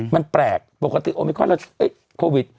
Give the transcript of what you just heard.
มันแปลกปกติโอมิคอนเราโควิด